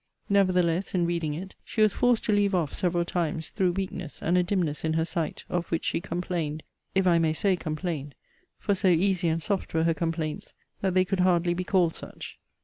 Nevertheless, in reading it, she was forced to leave off several times through weakness and a dimness in her sight, of which she complained; if I may say complained; for so easy and soft were her complaints, that they could hardly be called such.